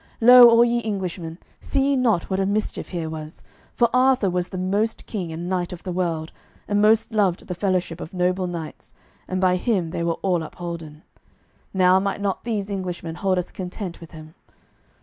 Lo all ye Englishmen, see ye not what a mischief here was, for Arthur was the most king and knight of the world, and most loved the fellowship of noble knights, and by him they were all upholden. Now might not these Englishmen hold us content with him.